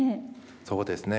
そうですね。